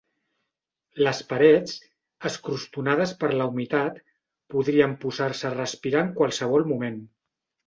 Les parets, escrostonades per la humitat, podrien posar-se a respirar en qualsevol moment.